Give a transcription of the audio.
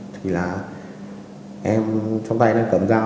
thì là em trong tay nó cầm dao